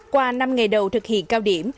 qua năm ngày đầu thực hiện cao điểm